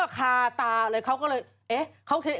คาตาเลยเขาก็เลย